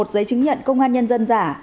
một giấy chứng nhận công an nhân dân giả